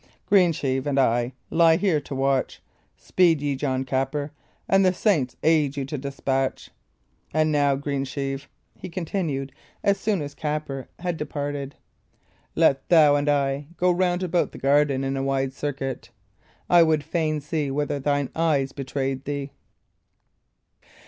Greensheve and I lie here to watch. Speed ye, John Capper, and the saints aid you to despatch. And now, Greensheve," he continued, as soon as Capper had departed, "let thou and I go round about the garden in a wide circuit. I would fain see whether thine eyes betrayed thee."